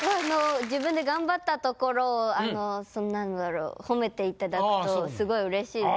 自分で頑張った所を褒めていただくとすごいうれしいですね。